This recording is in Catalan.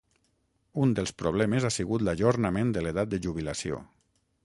Un dels problemes ha sigut l'ajornament de l'edat de jubilació.